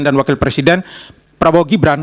dan wakil presiden prabowo gibran